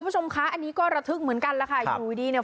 คุณผู้ชมคะอันนี้ก็ระทึกเหมือนกันแล้วค่ะอยู่ดีเนี่ย